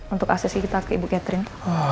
untuk aksesi kita ke ibu catherine